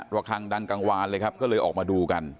ระคังดังกลางวานเลยครับก็เลยออกมาดูกัน